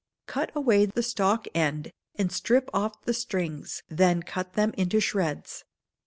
Cut away the stalk end, and strip off the strings, then cut them into shreds.